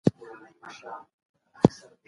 د ماشومانو روغتیا او تغذیه ډیره مهمه ده.